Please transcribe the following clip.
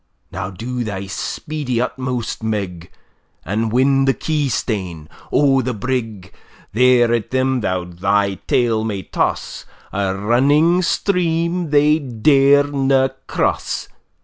Now, do thy speedy utmost, Meg, An win the key stane[A] of the brig; There at them thou thy tail may toss, A running stream they dare na cross.